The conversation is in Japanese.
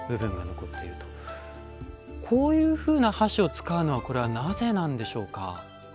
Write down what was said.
こういうふうな箸を使うのはこれはなぜなんでしょうか？